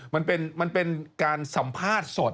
มันเป็นการสัมภาษณ์สด